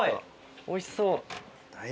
おいしそう。